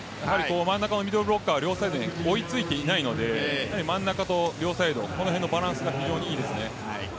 真ん中のミドルブロッカー両サイドが追いついていないので真ん中と両サイドのバランスが非常に良いですね。